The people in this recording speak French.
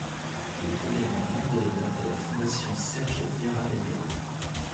Il est également membre d'honneur de la Fondation Sergio Vieira de Mello.